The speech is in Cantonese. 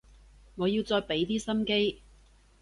我要再畀啲心機